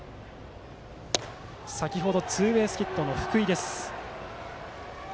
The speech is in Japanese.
先程ツーベースヒットの福井です。